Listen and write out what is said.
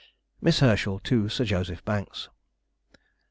MISS HERSCHEL TO SIR JOSEPH BANKS.